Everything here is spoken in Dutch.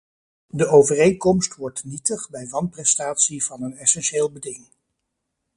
De overeenkomst wordt nietig bij wanprestatie van een essentieel beding.